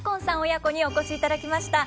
親子にお越しいただきました。